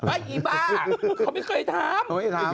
อีบ้าเขาไม่เคยทำ